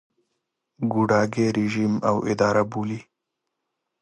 ګوډاګی رژیم او اداره بولي.